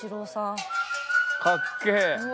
かっけ。